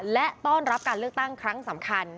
และต้อนรับการเลือกตั้งครั้งสำคัญ